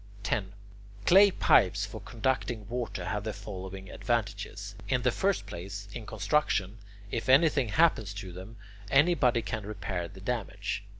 10. Clay pipes for conducting water have the following advantages. In the first place, in construction: if anything happens to them, anybody can repair the damage.